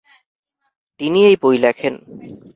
তিনি এই বই লেখেন।